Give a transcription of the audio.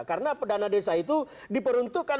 karena dana desa itu diperuntukkan